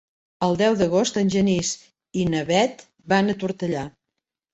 El deu d'agost en Genís i na Bet van a Tortellà.